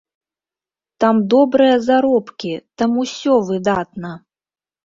Там добрыя заробкі, там усё выдатна!